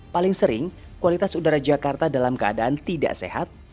paling sering kualitas udara jakarta dalam keadaan tidak sehat